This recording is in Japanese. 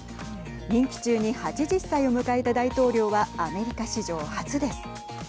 任期中に８０歳を迎えた大統領はアメリカ史上初です。